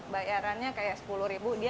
bayarannya kayak sepuluh ribu